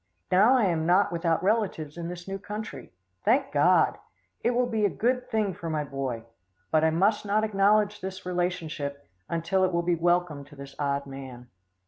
Now I am not without relatives in this new country. Thank God! It will be a good thing for my boy. But I must not acknowledge this relationship, until it will be welcome to this odd man."